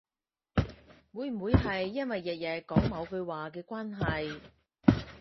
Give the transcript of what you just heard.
會唔會係因為日日講某句話嘅關係